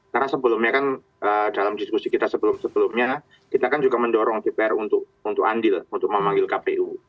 karena sebelumnya kan dalam diskusi kita sebelum sebelumnya kita kan juga mendorong dpr untuk andil untuk memanggil kpu